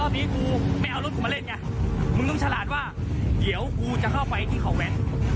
มึงต้องฉลาดว่าเดี๋ยวกูจะเข้าไปที่ข่าวแว่น